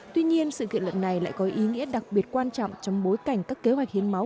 tuy nhiên sự kiện lần này lại có ý nghĩa đặc biệt quan trọng trong bối cảnh các kế hoạch hiến máu